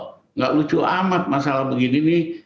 tidak lucu amat masalah begini nih